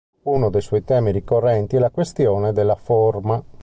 Uno dei suoi temi ricorrenti è la questione della "forma".